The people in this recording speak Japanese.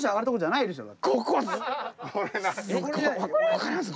分かります？